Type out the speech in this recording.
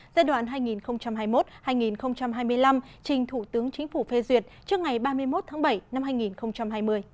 giai đoạn hai nghìn hai mươi một hai nghìn hai mươi năm trình thủ tướng chính phủ phê duyệt trước ngày ba mươi một tháng bảy năm hai nghìn hai mươi